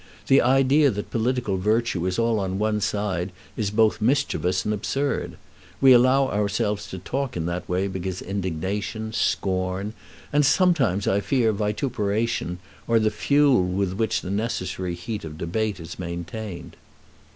The idea that political virtue is all on one side is both mischievous and absurd. We allow ourselves to talk in that way because indignation, scorn, and sometimes, I fear, vituperation, are the fuel with which the necessary heat of debate is maintained."